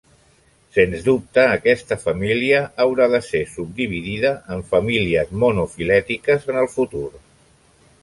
Sens dubte aquesta família haurà de ser subdividida en famílies monofilètiques en el futur.